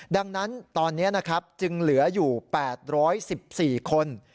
ดังนั้นตอนนี้นะครับจึงเหลืออยู่๘๑๔คน